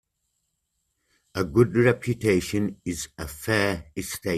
A good reputation is a fair estate.